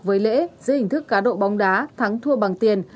với lễ dưới hình thức cá độ bóng đá thắng thua bằng tiền